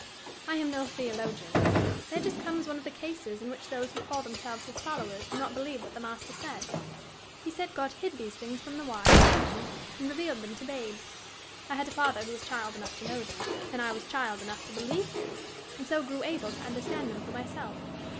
"I am no theologian. There just comes one of the cases in which those who call themselves his followers do not believe what the Master said: he said God hid these things from the wise and prudent, and revealed them to babes. I had a father who was child enough to know them, and I was child enough to believe him, and so grew able to understand them for myself.